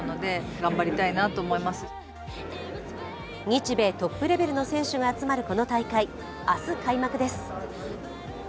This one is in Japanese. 日米トップレベルの選手が集まるこの大会、明日開幕です。